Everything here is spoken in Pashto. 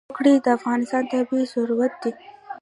وګړي د افغانستان طبعي ثروت دی.